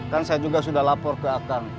kan saya juga sudah lapor ke akan